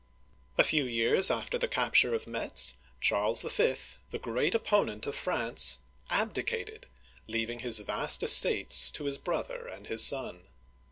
A few years after the capture of Metz, Charles V., the great opponent of France, abdicated, leaving his vast estates to his brother and his son.